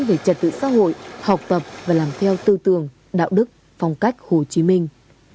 về trật tự xã hội học tập và làm theo tư tưởng đạo đức phong cách hồ chí minh